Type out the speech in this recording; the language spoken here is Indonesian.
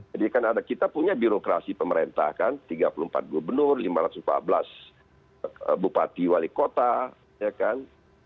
jadi karena kita punya birokrasi pemerintah kan tiga puluh empat gubernur lima ratus empat belas bupati wali kota ya kan